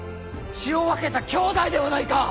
血を分けた兄弟ではないか！